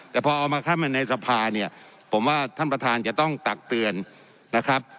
แต่พอเอามาเข้ามาในสภาเนี่ยผมว่าท่านประธานจะต้องตักเตือนนะครับ